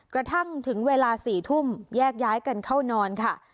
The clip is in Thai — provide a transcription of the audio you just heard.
กระทั่งถึงเวลา๔ทุ่มแยกย้ายกันเข้านอนค่ะ